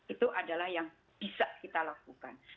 itu adalah yang bisa kita lakukan